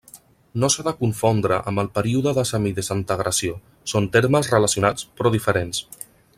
No s'ha de confondre amb el període de semidesintegració; són termes relacionats però diferents.